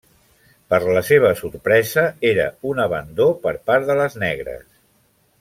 Per la seva sorpresa, era un abandó per part de les negres.